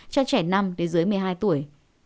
cho trẻ năm đến dưới một mươi hai tuổi